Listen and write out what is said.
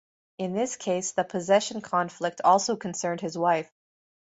In this case the possession conflict also concerned his wife.